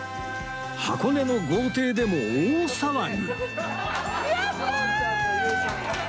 箱根の豪邸でも大騒ぎ